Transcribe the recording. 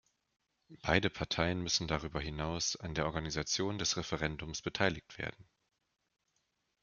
Beide Parteien müssen darüber hinaus an der Organisation des Referendums beteiligt werden.